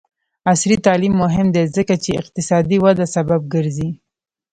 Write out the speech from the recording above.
عصري تعلیم مهم دی ځکه چې اقتصادي وده سبب ګرځي.